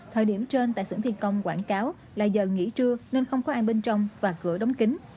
thời điểm trên tại xưởng thi công quảng cáo là giờ nghỉ trưa nên không có ai bên trong và cửa đóng kính